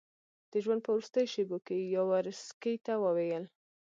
د ژوند په وروستیو شېبو کې یاورسکي ته وویل.